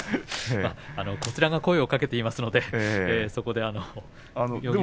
こちらが声をかけていますので妙義